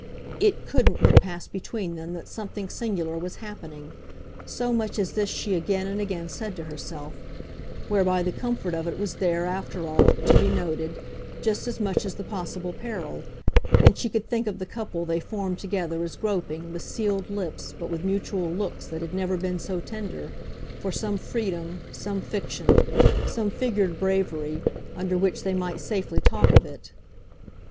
It COULDN'T but pass between them that something singular was happening so much as this she again and again said to herself; whereby the comfort of it was there, after all, to be noted, just as much as the possible peril, and she could think of the couple they formed together as groping, with sealed lips, but with mutual looks that had never been so tender, for some freedom, some fiction, some figured bravery, under which they might safely talk of it.